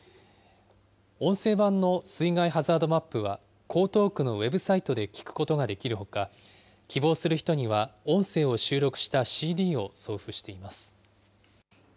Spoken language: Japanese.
音声版の水害ハザードマップは、江東区のウェブサイトで聞くことができるほか、希望する人には音声を収録したＣＤを送付しています。